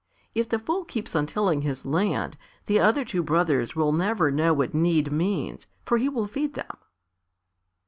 If the fool keeps on tilling his land, the other two brothers will never know what need means, for he will feed them."